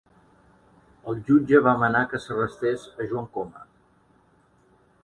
El jutge va manar que s'arrestés a Joan Coma